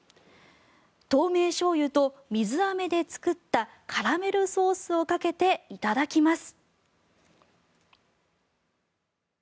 透明醤油と水アメで作ったカラメルソースをかけていただきます。